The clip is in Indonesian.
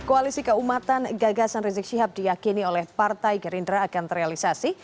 koalisi keumatan gagasan rizik syihab diakini oleh partai gerindra akan terrealisasi